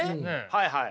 はいはい。